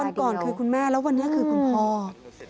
วันก่อนคือคุณแม่แล้ววันนี้คือคุณพ่อ